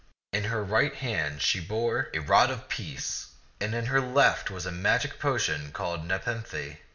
In her right hand she bore i8o t^t ^^um'0 taU a rod of peace, and in her left was a magic potion called nepenthe.